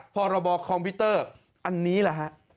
พอเราบอกคอมพิวเตอร์อันนี้เหรอฮะ